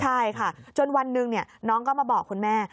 ใช่ค่ะจนวันหนึ่งน้องก็มาบอกคุณแม่